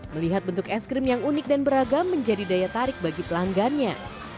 melihat bentuk es krim yang unik dan beragam menjadi daya tarik bagi pelanggannya